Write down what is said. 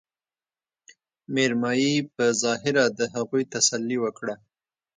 مېرمايي په ظاهره د هغوي تسلې وکړه